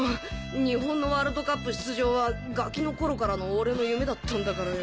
日本のワールドカップ出場はガキの頃からの俺の夢だったんだからよ。